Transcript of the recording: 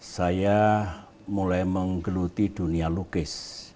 saya mulai menggeluti dunia lukis